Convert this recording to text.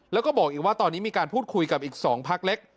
แล้วก็บอกอีกว่าตอนนี้มีการพูดคุยกับอีก๒พักเล็ก